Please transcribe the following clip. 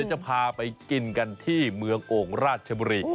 จะพาไปกินกันที่เมืองโอ่งราชบุรี